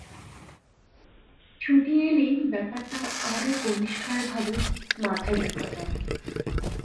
ছুটি এলেই ব্যাপারটা আরো পরিষ্কারভাবে মাথায় ঢুকাতাম।